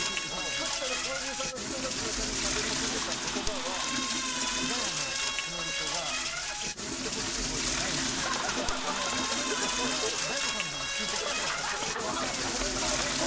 そしたらプロデューサーの人が津田さんにしゃべりかけた言葉はガヤのコメントがちょっと言ってほしいほうじゃないんで分からなかったら大悟さんのほうについていってくださいって。